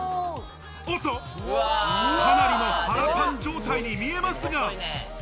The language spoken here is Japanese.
おっと、かなりの腹パン状態に見えますが。